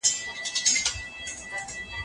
تاسو به د ژوند په ټولو پړاوونو کي بریالي اوسئ.